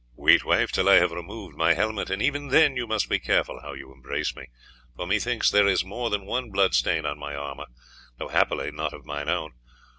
"Wait, wife, till I have removed my helmet, and even then you must be careful how you embrace me, for methinks there is more than one blood stain on my armour, though happily not of mine own.